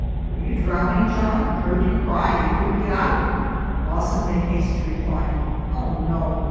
"Were you drowning, John? I heard you cry you couldna get oot." Lawson made haste to reply, "Oh, no!